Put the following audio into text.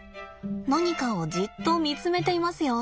何かをじっと見つめていますよ。